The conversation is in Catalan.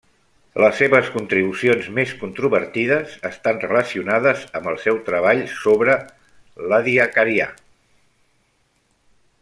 Les seves contribucions més controvertides estan relacionades amb el seu treball sobre l'Ediacarià.